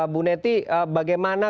bu neti bagaimana